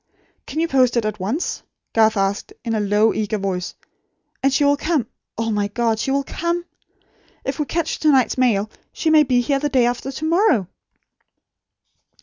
"Can you post it at once?" Garth asked, in a low, eager voice. "And she will come oh, my God, she will come! If we catch to night's mail, she may be here the day after to morrow!"